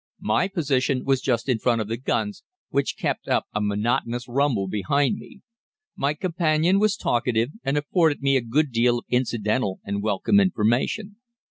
My position was just in front of the guns, which kept up a monotonous rumble behind me. My companion was talkative, and afforded me a good deal of incidental and welcome information.